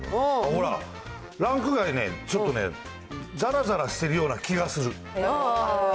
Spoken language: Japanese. ほら、ランク外ね、ちょっとね、ざらざらしてるような気がする。